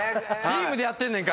チームでやってんねんから。